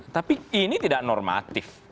tapi ini tidak normatif